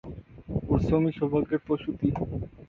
পরিশ্রমই সৌভাগ্যের প্রসূতি।